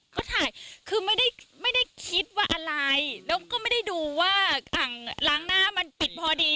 ก็ถ่ายคือไม่ได้คิดว่าอะไรแล้วก็ไม่ได้ดูว่าหลังหน้ามันปิดพอดี